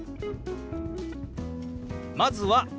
まずは「私」。